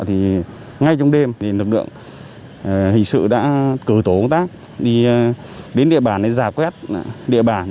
trong đêm thì lực lượng hình sự đã cờ tổ tác đi đến địa bàn để giả quét địa bàn